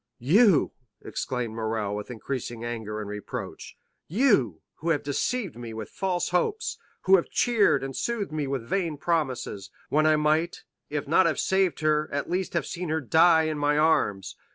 "You?" exclaimed Morrel, with increasing anger and reproach—"you, who have deceived me with false hopes, who have cheered and soothed me with vain promises, when I might, if not have saved her, at least have seen her die in my arms!